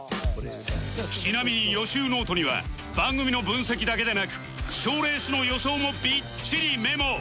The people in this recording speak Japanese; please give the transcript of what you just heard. ちなみに予習ノートには番組の分析だけでなく賞レースの予想もびっちりメモ